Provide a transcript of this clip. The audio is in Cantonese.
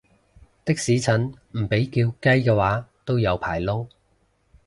的士陳唔被叫雞嘅話都有排撈